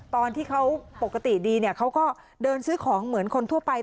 ตอนที่เขาปกติดีเขาก็เดินซื้อของเหมือนคนทั่วไป